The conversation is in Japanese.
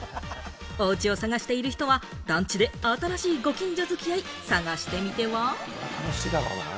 お家を探している人は団地で新しいご近所付き合い、探してみては？